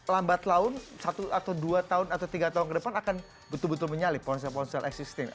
lambat laun satu atau dua tahun atau tiga tahun ke depan akan betul betul menyalip ponsel ponsel existing